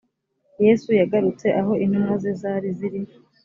yesu yagarutse aho intumwa ze zari ziri